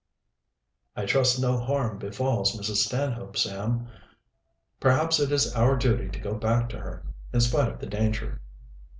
"I trust no harm befalls Mrs. Stanhope, Sam. Perhaps it is our duty to go back to her, in spite of the danger."